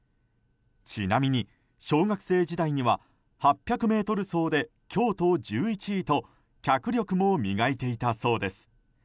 ちなみに、小学生時代には８００ｍ走で京都１１位と脚力も磨いていたそうです。